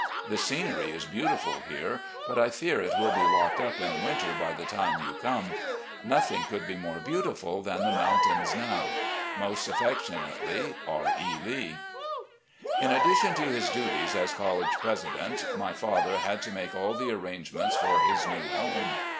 The scenery is beautiful here, but I fear it will be locked up in winter by the time you come. Nothing could be more beautiful than the mountains now. ... "Most affectionately, R. E. Lee." In addition to his duties as college president, my father had to make all the arrangements for his new home.